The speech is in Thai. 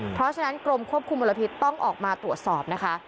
เพราะฉะนั้นกรมควบคุมมลพิษต้องออกมาตรวจสอบนะคะ